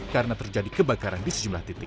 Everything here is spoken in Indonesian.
karena terjadi kebakaran di sejumlah titik